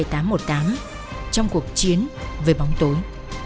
trong cuộc chiến về bóng tối